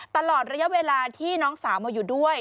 ตลอดระยะเวลาที่น้องสาวมาอยู่ด้วย